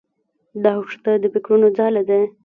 دښته د فکرو ځاله ده.